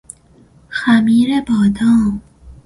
خمیر بادام